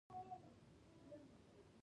اوبه ګرمې شوې دي